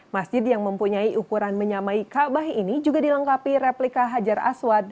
masjid yang mempunyai ukuran menyamai kaabah ini juga dilengkapi replika hajar aswad